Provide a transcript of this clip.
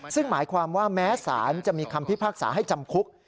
ซึ่งหมายความว่าแม้สารจะมีคำพิพากษาให้จำคุก